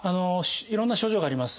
いろんな症状があります。